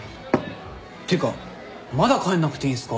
ていうかまだ帰んなくていいんすか？